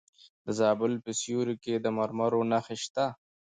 د زابل په سیوري کې د مرمرو نښې شته.